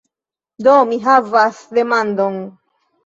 Do, mi havas demandon.